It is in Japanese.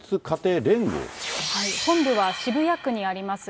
本部は渋谷区にあります。